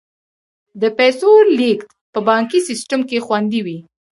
د پیسو لیږد په بانکي سیستم کې خوندي وي.